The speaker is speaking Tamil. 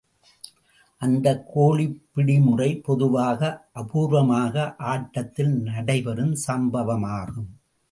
அந்தக் கோழிப்பிடி முறை பொதுவாக அபூர்வமாக ஆட்டத்தில் நடைபெறும் சம்பவமாகும்.